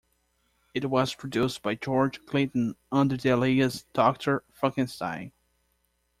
It was produced by George Clinton under the alias Doctor Funkenstein.